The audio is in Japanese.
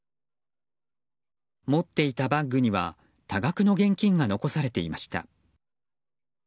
持っていたバッグには多額の現金が残されていました。